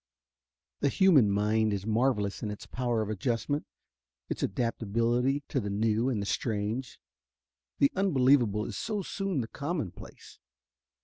The human mind is marvelous in its power of adjustment, its adaptability to the new and the strange. The unbelievable is so soon the commonplace.